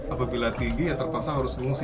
apabila tinggi ya terpaksa harus mengungsi